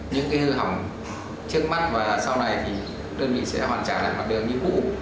những hư hỏng trước mắt và sau này đơn vị sẽ hoàn trả lại mặt đường như cũ